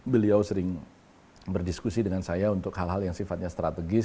beliau sering berdiskusi dengan saya untuk hal hal yang sifatnya strategis